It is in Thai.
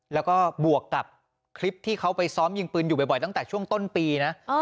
แล้วก็บวกกับคลิปที่เขาไปซ้อมยิงปืนอยู่บ่อยตั้งแต่ช่วงต้นปีนะ